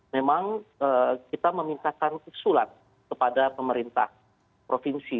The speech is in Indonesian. memang kita memintakan usulan kepada pemerintah provinsi